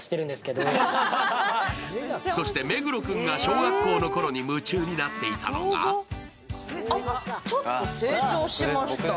そして目黒君が小学校の頃に夢中になっていたのがちょっと成長しました。